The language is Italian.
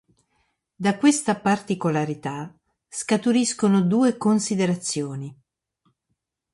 Da questa particolarità scaturiscono due considerazioni.